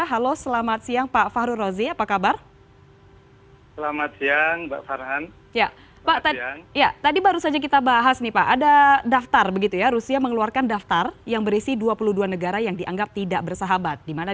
halo selamat siang pak fahru rozi apa kabar